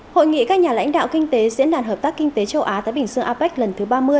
hội nghị các nhà lãnh đạo kinh tế diễn đàn hợp tác kinh tế châu á thái bình dương apec lần thứ ba mươi